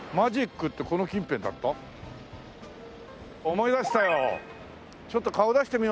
思い出したよ。